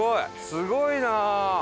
すごいなあ！